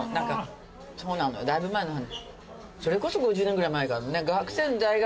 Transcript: それこそ５０年ぐらい前。